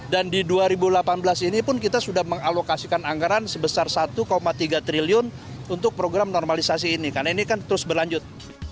dan di dua ribu delapan belas ini pun kita sudah mengalokasikan anggaran sebesar rp satu tiga triliun untuk program normalisasi ini karena ini kan terus berlanjut